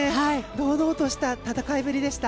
堂々とした戦いぶりでした。